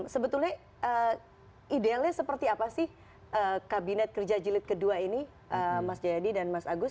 sebetulnya idealnya seperti apa sih kabinet kerja jilid ii ini mas jayadi dan mas agus